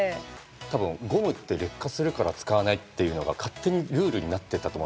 多分ゴムって劣化するから使わないっていうのが勝手にルールになってたと思うんですよ